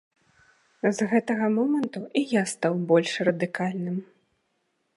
З гэтага моманту і я стаў больш радыкальным.